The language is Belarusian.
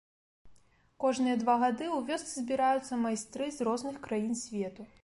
Кожныя два гады ў вёсцы збіраюцца майстры з розных краін свету.